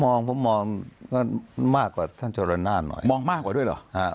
มองผมมองก็มากกว่าท่านจรรยานหน้าหน่อยมองมากกว่าด้วยเหรอ